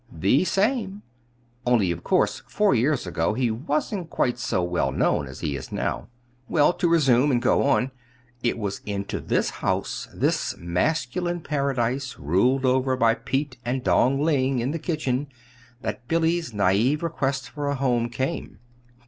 "The same; only of course four years ago he wasn't quite so well known as he is now. Well, to resume and go on. It was into this house, this masculine paradise ruled over by Pete and Dong Ling in the kitchen, that Billy's naïve request for a home came."